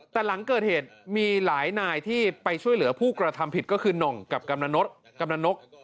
แต่หลังเกิดเหตุมีหลายนายที่ไปช่วยเหลือผู้กระทำผิดก็คือหน่องกับกำนันนก